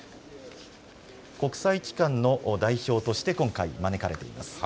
国際機関の代表として今回招かれています。